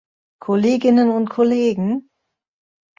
Kolleginnen und Kollegen.